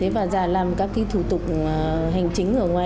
và ra làm các thủ tục hành chính ở ngoài